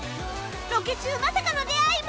ロケ中まさかの出会いも！